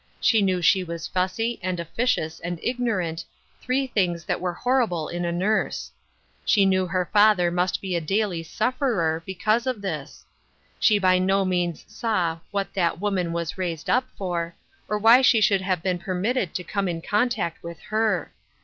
She knew she was fussy and officious and ignorant, three things that were horrible in a nurse. She knew her father must be a daily sufferer because of this. She by no means saw " what that woman was raised up for," or why she should have been permitted to come in contact with her.